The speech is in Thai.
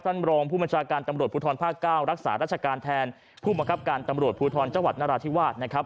รองผู้บัญชาการตำรวจภูทรภาค๙รักษาราชการแทนผู้บังคับการตำรวจภูทรจังหวัดนราธิวาสนะครับ